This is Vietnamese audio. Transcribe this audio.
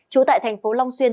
trú tại thành phố long xuân